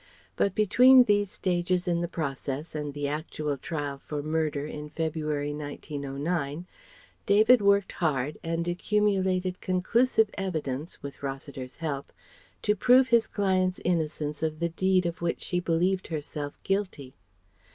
But between these stages in the process and the actual trial for murder in February, 1909, David worked hard and accumulated conclusive evidence (with Rossiter's help) to prove his client's innocence of the deed of which she believed herself guilty.